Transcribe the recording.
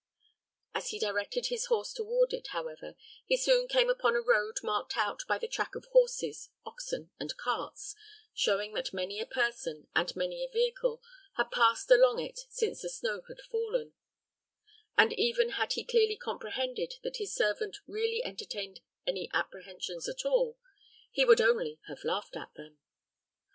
As he directed his horse toward it, however, he soon came upon a road marked out by the track of horses, oxen, and carts, showing that many a person and many a vehicle had passed along it since the snow had fallen; and even had he clearly comprehended that his servant really entertained any apprehensions at all, he would only have laughed at them.